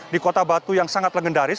di kota batu yang sangat legendaris